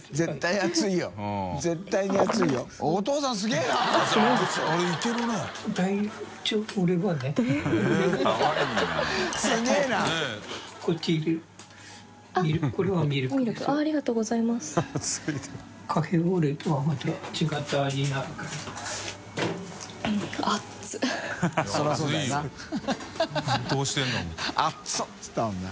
「熱っ！！！」って言ったもんな。